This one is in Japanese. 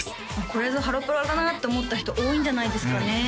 これぞハロプロだなって思った人多いんじゃないですかね